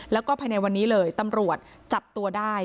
แล้วก็ภายในวันนี้เลยตำรวจจับตัวได้